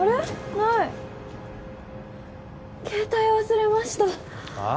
ない携帯忘れましたはあっ！？